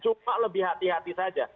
cuma lebih hati hati saja